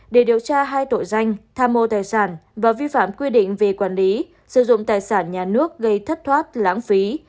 để điều tra hai tội danh tha mô tài sản và vi phạm quy định về quản lý sử dụng tài sản nhà nước gây thất thoát lãng phí